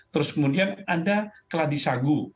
terus kemudian ada keladisagu